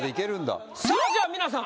さあじゃあ皆さん